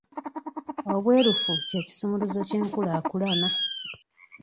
Obwerufu kye kisumuluzo ky'enkulaakulana.